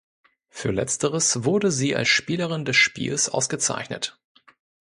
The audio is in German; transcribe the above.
Für letzteres wurde sie als Spielerin des Spiels ausgezeichnet.